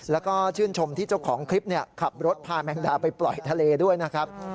แล้วก็ชื่นชมที่เจ้าของคลิปขับรถพาแมงดาไปปล่อยทะเลด้วยนะครับ